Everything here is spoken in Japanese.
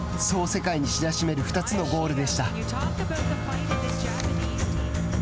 そう世界に知らしめる２つのゴールでした。